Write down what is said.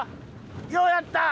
ようやった！